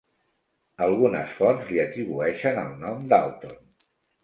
Algunes fonts li atribueixen el nom d'Alton.